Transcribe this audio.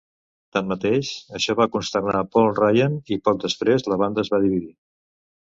Tanmateix, això va consternar Paul Ryan, i poc després la banda es va dividir.